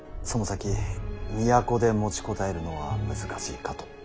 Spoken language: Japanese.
その先都で持ちこたえるのは難しいかと。